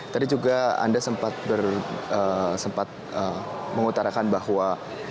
tadi juga anda sempat mengutarakan bahwa